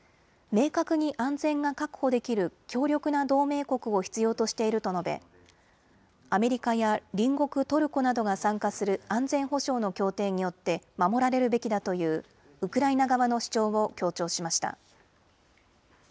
明確に安全が確保できる強力な同盟国を必要としていると述べアメリカや隣国トルコなどが参加する安全保障の協定によって守られるべきだというウクライナ側の主張を強調しました。